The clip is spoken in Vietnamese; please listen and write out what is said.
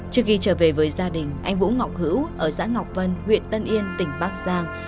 trước khi trở về với gia đình anh vũ ngọc hữu ở xã ngọc vân huyện tân yên tỉnh bắc giang